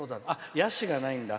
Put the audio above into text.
「やし」がないんだ。